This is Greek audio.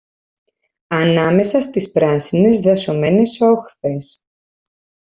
ανάμεσα στις πράσινες δασωμένες όχθες